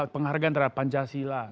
penghargaan terhadap pancasila